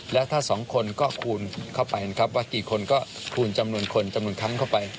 แล้วถ้าสองคนก็คูณเข้าไปนะครับว่ากี่คนก็คูณจำนวนคนจำนวนค้ำเข้าไป